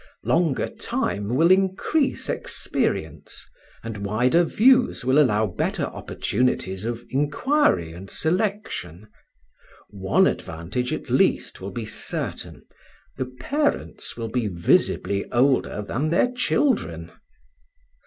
Longer time will increase experience, and wider views will allow better opportunities of inquiry and selection; one advantage at least will be certain, the parents will be visibly older than their children."